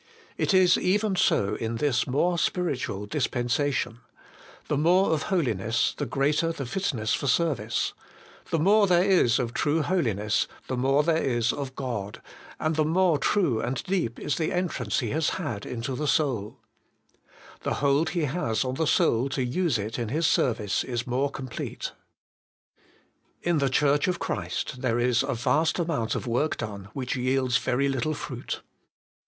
It is even so in this more spiritual dispensation: the more of holiness, the greater the fitness for service ; the more there is of true holiness, the more there is of God, and the more true and deep is the entrance He has had into the souL The hold He has on the soul to use it in His service is more complete. In the Church of Christ there is a vast amount of work done which yields very little fruit.